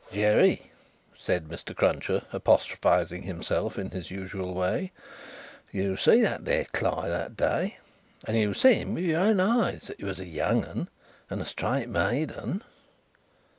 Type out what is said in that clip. "Jerry," said Mr. Cruncher, apostrophising himself in his usual way, "you see that there Cly that day, and you see with your own eyes that he was a young 'un and a straight made 'un."